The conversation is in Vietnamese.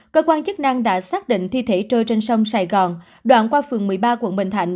cơ quan chức năng đã xác định thi thể trôi trên sông sài gòn đoạn qua phường một mươi ba quận bình thạnh